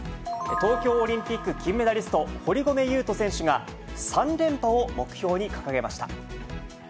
東京オリンピック金メダリスト、堀米雄斗選手が、３連覇を目標に掲げました。